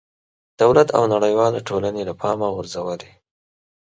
دولت او نړېوالې ټولنې له پامه غورځولې.